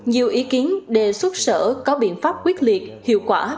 nhiều ý kiến đề xuất sở có biện pháp quyết liệt hiệu quả